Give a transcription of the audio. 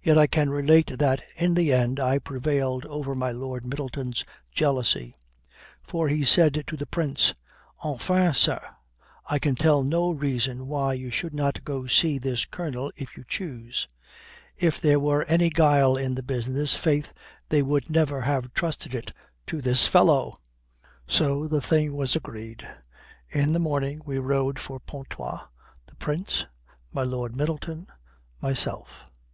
Yet I can relate that in the end I prevailed over my Lord Middleton's jealousy. For he said to the Prince: 'Enfin, sir, I can tell no reason why you should not go see this Colonel if you choose. If there were any guile in the business, faith, they would never have trusted it to this fellow!' "So the thing was agreed. In the morning we rode for Pontoise, the Prince, my Lord Middleton, myself.